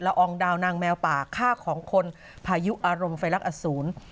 อองดาวนางแมวป่าฆ่าของคนพายุอารมณ์ไฟลักษร